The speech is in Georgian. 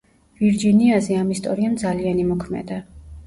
ვირჯინიაზე, ამ ისტორიამ ძალიან იმოქმედა.